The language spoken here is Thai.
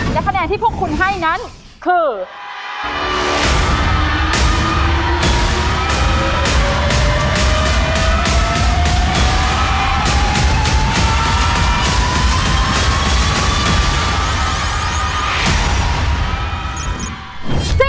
และคะแนนที่พวกคุณให้นั้นคือ